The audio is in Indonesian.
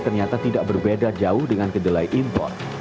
ternyata tidak berbeda jauh dengan kedelai impor